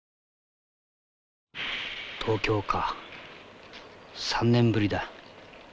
東京か３年ぶりだ。